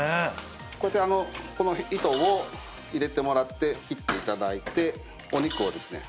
こうやってこの糸を入れてもらって切っていただいてお肉をですね